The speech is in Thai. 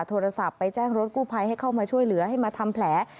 โทรศัพท์ไปแจ้งรถกู้ภัยให้เข้ามาช่วยเหลือให้มาทำแผล